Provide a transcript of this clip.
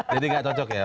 jadi gak cocok ya